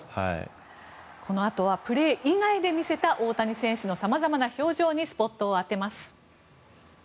このあとはプレー以外で見せた大谷選手の様々な表情にスポットを当てます。